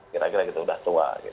kira kira gitu sudah tua